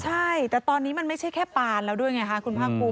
ใช่แต่ตอนนี้มันไม่ใช่แค่ปานแล้วด้วยไงคะคุณภาคภูมิ